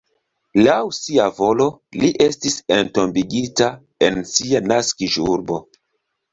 Laŭ sia volo li estis entombigita en sia naskiĝurbo.